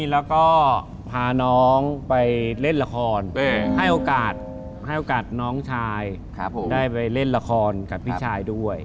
แล้วก็พาน้องไปเล่นละครให้โอกาสให้โอกาสน้องชายได้ไปเล่นละครกับพี่ชายด้วย